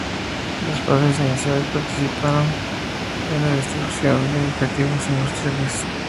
En las fases iniciales, participaron en la destrucción de objetivos industriales en Rumanía.